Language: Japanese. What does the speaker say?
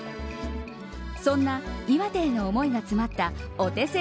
そんな岩手への思いが詰まったお手製